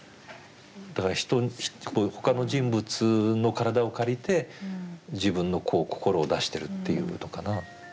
だからほかの人物の体を借りて自分の心を出してるっていうのかな。